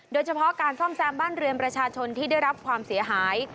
โดยเฉพาะการซ่อมแซมบ้านเรือนประชาชนที่ได้รับความเสียหาย